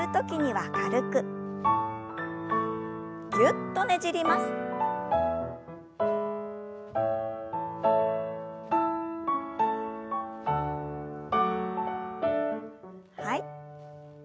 はい。